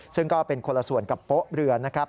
ซึ่งก็เป็นคนละส่วนกับโป๊ะเรือนะครับ